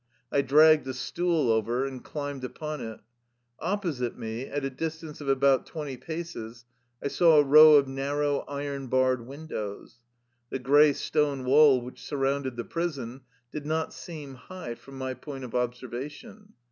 I dragged the stool over and climbed upon it. Opposite me, at a distance of about twenty paces, I saw a row of narrow iron barred win dows. The gray stone wall which surrounded the prison did not seem high from my point of observation.